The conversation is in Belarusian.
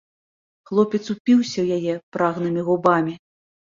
Хлопец упіўся ў яе прагнымі губамі.